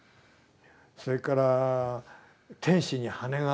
それから天使に羽があると。